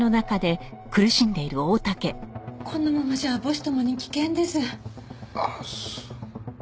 このままじゃ母子共に危険です。